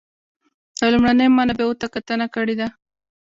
د لومړنیو منابعو ته کتنه کړې ده.